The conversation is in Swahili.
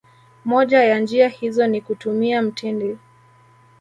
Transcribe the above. Moja ya njia hizo ni kutumia mtindi